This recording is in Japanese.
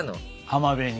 浜辺に。